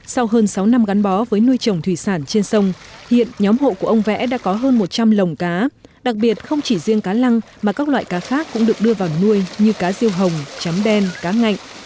sau hơn sáu năm gắn bó với nuôi trồng thủy sản trên sông hiện nhóm hộ của ông vẽ đã có hơn một trăm linh lồng cá đặc biệt không chỉ riêng cá lăng mà các loại cá khác cũng được đưa vào nuôi như cá riêu hồng chấm đen cá ngạnh